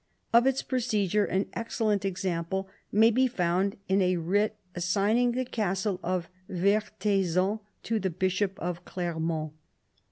Of its procedure an excellent example may be found in a writ assigning the castle of Vertaizon to the bishop of Clermont.